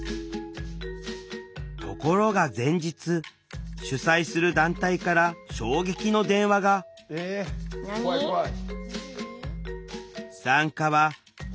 ところが前日主催する団体から衝撃の電話がえ怖い怖い。何？